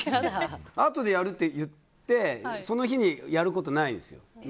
あとでやるって言ってその日にやることないですよ。